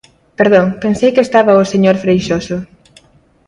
Perdón, pensei que estaba o señor Freixoso.